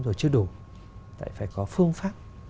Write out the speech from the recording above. rồi chưa đủ phải có phương pháp